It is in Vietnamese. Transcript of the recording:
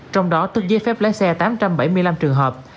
trong đó tức giấy phép lái xe tám trăm bảy mươi năm trường hợp